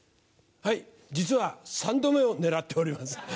はい実は３度目を狙っております。